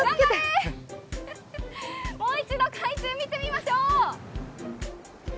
もう一度、海中を見てみましょう！